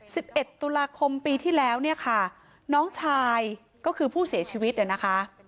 สิบเอ็ดตุลาคมปีที่แล้วเนี่ยค่ะน้องชายก็คือผู้เสียชีวิตเนี่ยนะคะ